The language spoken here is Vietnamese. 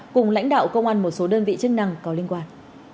cùng lãnh đạo công an một số đơn vị chức năng có liên quan